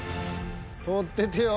通っててよ。